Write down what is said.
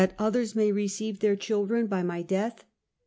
otliers may receive their children by my death